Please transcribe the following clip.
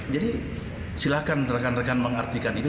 jadi silakan rekan rekan mengartikan itu